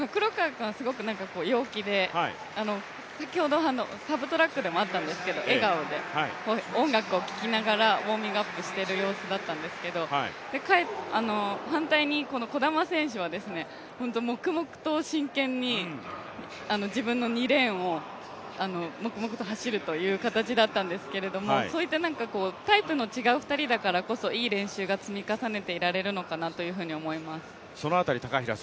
君はすごく陽気で、先ほどサブトラックでも会ったんですけど笑顔で音楽を聴きながらウォーミングアップをしてる様子だったんですけど、反対に児玉選手は黙々と真剣に自分の２レーンを黙々と走るという形だったんですけどタイプの違う２人だからこそいい練習が積み重ねていられるのかなというふうに思います。